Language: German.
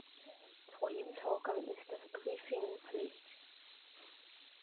Vor jedem Tauchgang ist das Briefing Pflicht.